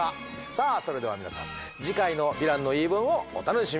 さあそれでは皆さん次回の「ヴィランの言い分」をお楽しみに。